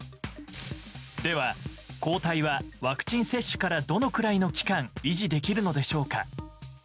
では、抗体はワクチン接種からどのくらいの期間維持できるのでしょうか。